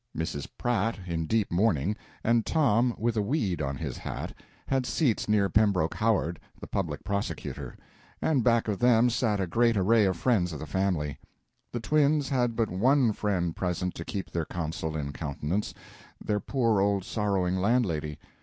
Mrs. Pratt, in deep mourning, and Tom with a weed on his hat, had seats near Pembroke Howard, the public prosecutor, and back of them sat a great array of friends of the family. The twins had but one friend present to keep their counsel in countenance, their poor old sorrowing landlady.